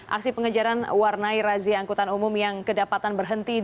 aksi pengejaran warnai razi angkutan umum yang kedapatan berhenti